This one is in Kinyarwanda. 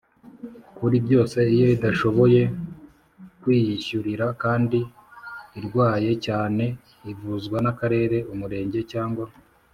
kuri byose Iyo idashoboye kwiyishyurira kandi irwaye cyane ivuzwa n Akarere Umurenge cyangwa